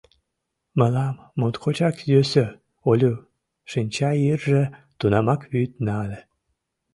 — Мылам... моткочак йӧсӧ, Олю, — шинча йырже тунамак вӱд нале.